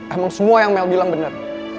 emang semua yang mel bilang benar